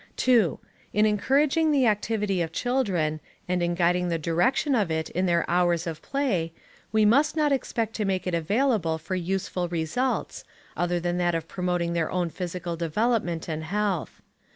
2. In encouraging the activity of children, and in guiding the direction of it in their hours of play, we must not expect to make it available for useful results, other than that of promoting their own physical development and health.